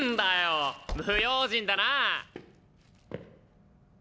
不用心だな！